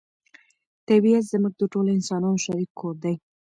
طبیعت زموږ د ټولو انسانانو شریک کور دی.